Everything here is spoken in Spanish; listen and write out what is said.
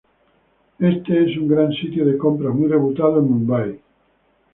Este es un gran sitio de compras muy reputado en Mumbai.